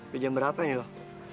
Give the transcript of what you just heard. bila jam berapa ini loh